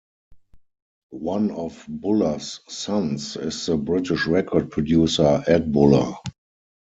One of Buller's sons is the British record producer Ed Buller.